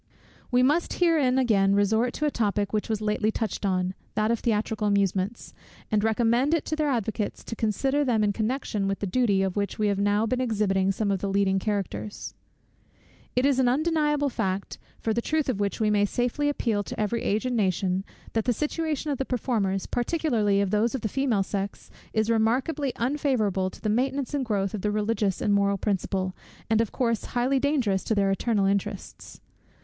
We must here again resort to a topic which was lately touched on, that of theatrical amusements; and recommend it to their advocates to consider them in connection with the duty, of which we have now been exhibiting some of the leading characters. It is an undeniable fact, for the truth of which we may safely appeal to every age and nation, that the situation of the performers, particularly of those of the female sex, is remarkably unfavourable to the maintenance and growth of the religious and moral principle, and of course highly dangerous to their eternal interests.